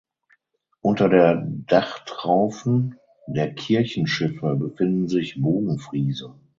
Unter der Dachtraufen der Kirchenschiffe befinden sich Bogenfriese.